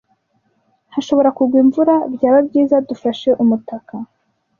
Hashobora kugwa imvura. Byaba byiza dufashe umutaka.